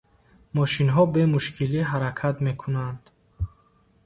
Мошинҳо бе мушкилӣ ҳаракат мекунанд.